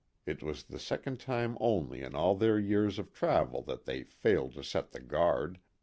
* It was the second time only in all their years of travel that they failed to set the guard.